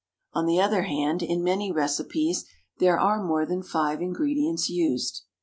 On the other hand, in many recipes, there are more than five ingredients used.